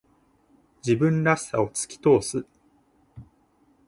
自分らしさを突き通す。